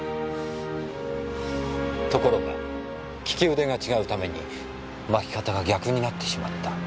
ところが利き腕が違うために巻き方が逆になってしまった。